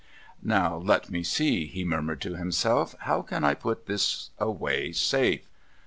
"Now, let me see," he murmured to himself, "how can I put this away safe?